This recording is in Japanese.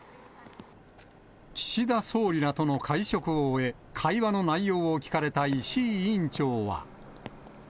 岸田総理らとの会食を終え、会話の内容を聞かれた石井委員長は。